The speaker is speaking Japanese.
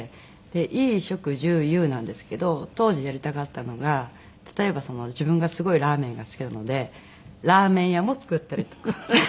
「衣・食・住・遊」なんですけど当時やりたかったのが例えば自分がすごいラーメンが好きなのでラーメン屋も作ったりとか。